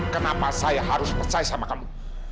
kenapa saya harus percaya sama kamu